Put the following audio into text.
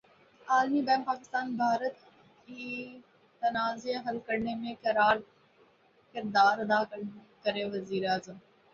عالمی بینک پاکستان بھارت بی تنازعہ حل کرنے میں کردار ادا کرے وزیراعظم